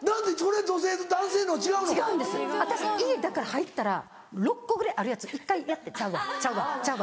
私家だから入ったら６個ぐらいあるやつ１回やってちゃうわちゃうわちゃうわ。